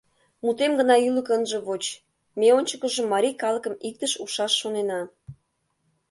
Мутем гына ӱлыкӧ ынже воч, ме ончыкыжо марий калыкым иктыш ушаш шонена.